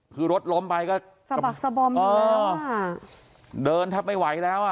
คือรถล้มไปก็สะบักสะบอมอยู่แล้วอ่ะเดินแทบไม่ไหวแล้วอ่ะ